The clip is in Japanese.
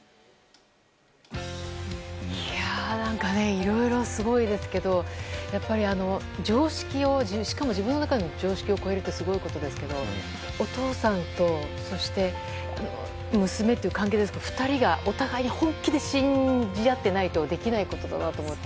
いろいろ、すごいですけど自分の中での常識を超えるってすごいことですけど、お父さんとそして娘という関係お互いに本気で信じ合ってないとできないことだなと思って。